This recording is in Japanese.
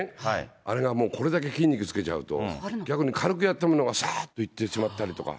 あれがもうこれだけ筋肉つけちゃうと、逆に軽くやったものがさーっといってしまったりとか。